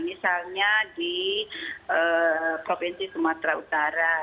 misalnya di provinsi sumatera utara